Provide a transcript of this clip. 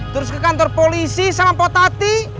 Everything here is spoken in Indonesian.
terus ke kantor polisi sama pak tati